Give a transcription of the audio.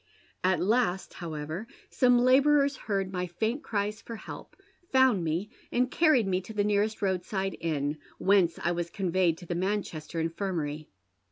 At last, however, some labourers heard my faint cries for help, found me, and carried me to the nearest roadside inn, whence I was conveyed to the Manchester Infirmary.